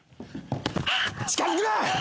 近づくな！